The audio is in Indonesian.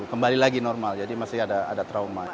kembali lagi normal jadi masih ada trauma